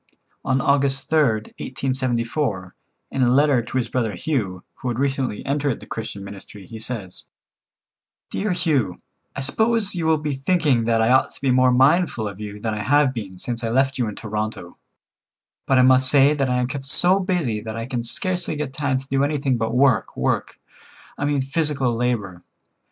On August 3rd, 1874, in a letter to his brother Hugh, who had recently entered the Christian ministry, he says: "Dear Hugh,—I suppose you will be thinking that I ought to be more mindful of you than I have been since I left you in Toronto, but I must say that I am kept so busy that I can scarcely get time to do anything but work, work. I mean physical labor.